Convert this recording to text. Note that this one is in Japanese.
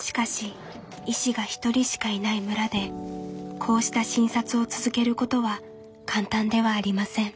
しかし医師が１人しかいない村でこうした診察を続けることは簡単ではありません。